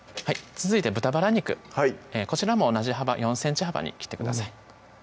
続いて豚バラ肉はいこちらも同じ幅４ｃｍ幅に切ってください